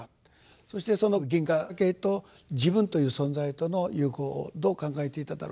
そしてその銀河系と自分という存在との融合をどう考えていただろうか。